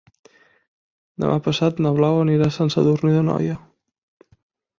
Demà passat na Blau anirà a Sant Sadurní d'Anoia.